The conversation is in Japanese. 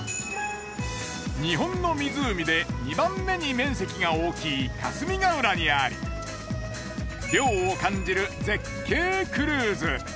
日本の湖で２番目に面積が大きい霞ヶ浦にあり涼を感じる絶景クルーズ。